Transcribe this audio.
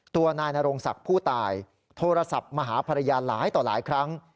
ตัวนายนโรงศักดิ์ผู้ตายโทรศัพท์มาหาภรรยาหลายต่อหลายครั้ง